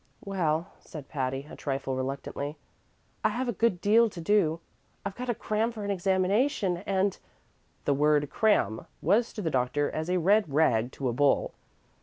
"Well," said Patty, a trifle reluctantly, "I have a good deal to do. I've got to cram for an examination, and " The word "cram" was to the doctor as a red rag to a bull.